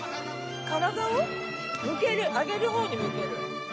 体を向ける上げる方に向ける。